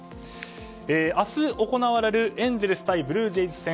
明日、行われるエンゼルス対ブルージェイズ戦。